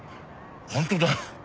本当だ。